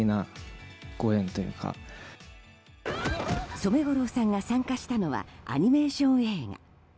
染五郎さんが参加したのはアニメーション映画。